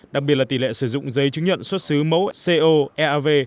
đặc biệt là tỷ lệ sử dụng giấy chứng nhận xuất xứ mẫu co eav